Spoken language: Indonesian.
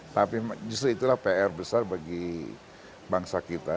tapi justru itulah pr besar bagi bangsa kita